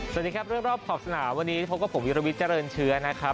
สวัสดีครับเรื่องรอบขอบสนามวันนี้พบกับผมวิรวิทย์เจริญเชื้อนะครับ